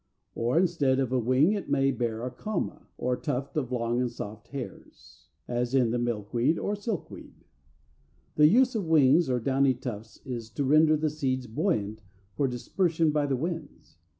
416); or instead of a wing it may bear a Coma, or tuft of long and soft hairs, as in the Milkweed or Silkweed (Fig. 417). The use of wings, or downy tufts is to render the seeds buoyant for dispersion by the winds.